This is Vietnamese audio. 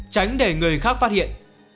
tránh để người khác phát hiện